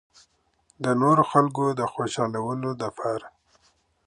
د نورو خلکو د خوشالو د پاره